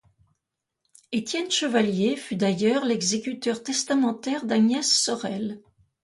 Étienne Chevalier fut d'ailleurs l’exécuteur testamentaire d'Agnès Sorel.